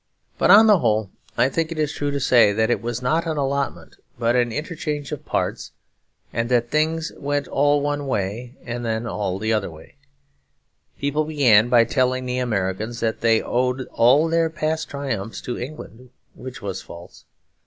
But, on the whole, I think it true to say that it was not an allotment but an interchange of parts; and that things first went all one way and then all the other. People began by telling the Americans that they owed all their past triumphs to England; which was false.